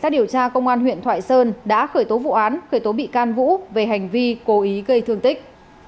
đã khởi tố vụ án khởi tố bị can vũ về hành vi cố ý gây thương tích